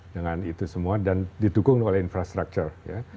dengan itu semua dan didukung oleh infrastructure